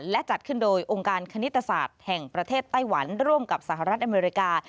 และจัดขึ้นโดยองค์การคณิตศาสตร์แห่งประเทศไต้หวันร่วมกับสหรัฐอเมริกา